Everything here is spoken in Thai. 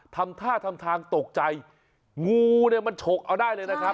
ทำท่าทำทางตกใจงูเนี่ยมันฉกเอาได้เลยนะครับ